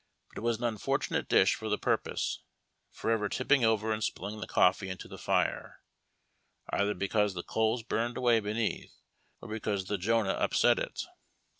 But it was an unfortunate dish for the purpose, forever tipping over and spilling the coffee into the fire, either because the coals burned away beneath, or because the Jonah upset it.